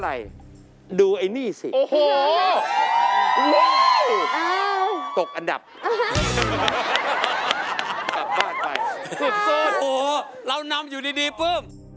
อะไรล่ะอย่าบ้าให้เขาเลือกตรง